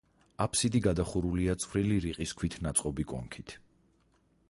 აფსიდი გადახურულია წვრილი რიყის ქვით ნაწყობი კონქით.